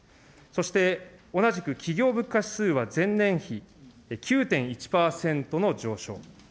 そして、同じく企業物価指数は、前年比９．１％の上昇。